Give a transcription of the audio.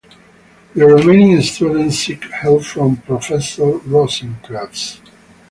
The remaining students seek help from Professor Rosencrantz.